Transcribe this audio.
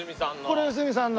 これ良純さんの。